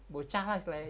bocah lah setelah itu